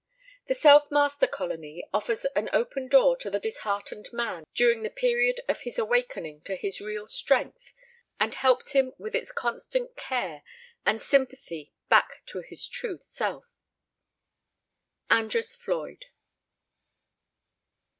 The Self Master Colony offers an open door to the disheartened man during the period of his awakening to his real strength and helps him with its constant care and sympathy back to his true self. ANDRESS FLOYD.